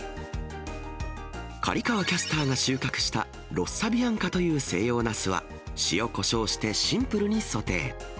刈川キャスターが収穫したロッサビアンカという西洋ナスは、塩こしょうして、シンプルにソテー。